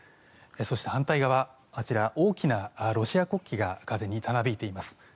そして、反対側大きなロシア国旗が風にたなびいています。